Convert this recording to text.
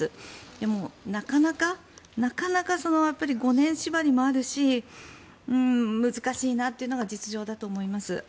でも、なかなか５年縛りもあるし難しいなというのが実情だと思います。